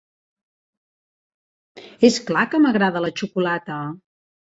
És clar que m'agrada la xocolata!